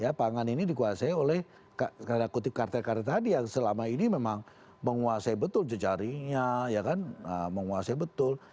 ya pangan ini dikuasai oleh karena kutip kartel karir tadi yang selama ini memang menguasai betul jejaringnya ya kan menguasai betul